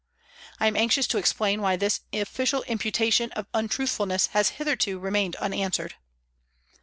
I am anxious to explain why this official imputation of untruthfulness has hitherto remained unanswered.